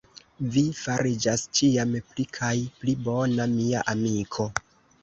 Vi fariĝas ĉiam pli kaj pli bona, mia amiko.